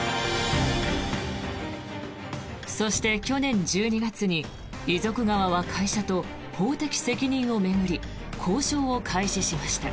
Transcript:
そして、去年１２月に遺族側は会社と法的責任を巡り交渉を開始しました。